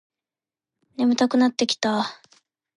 眠たくなってきた